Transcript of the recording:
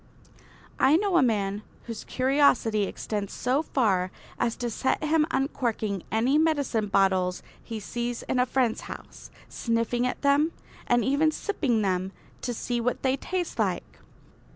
I know a man whose curiosity extends so far as to set him uncorking any medicine bottles he sees in a friend's house, sniffing at them, and even sipping them to see what they taste like.